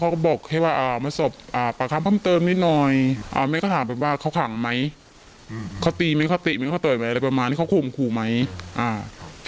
ในวันที่สิบกลางคืนแต่ว่าจะมีลูกชายคนกลางอยู่บ้าน